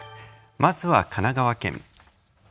まずは神奈川県。